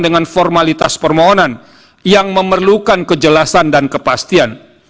dengan formalitas permohonan yang memerlukan kejelasan dan kepastian